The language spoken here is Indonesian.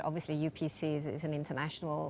tentu saja upc adalah perusahaan internasional